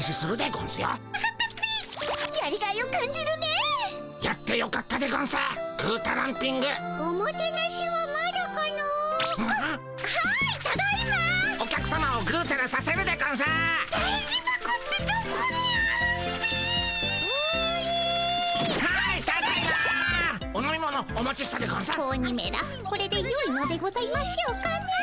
これでよいのでございましょうかねえ。